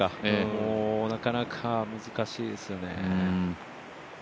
もうなかなか難しいですよね。